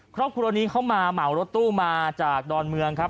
ครอบครัวนี้เขามาเหมารถตู้มาจากดอนเมืองครับ